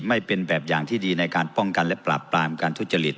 ไม่เป็นแบบอย่างที่ดีในการป้องกันและปราบปรามการทุจริต